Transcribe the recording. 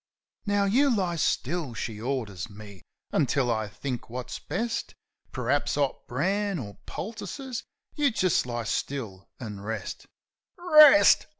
"Now, you lie still," she orders me, "until I think wot's best. Per'aps 'ot bran, or poultices. You jist lie still, an' rest," Rest?